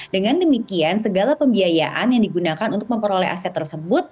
dengan demikian segala pembiayaan yang digunakan untuk memperoleh aset tersebut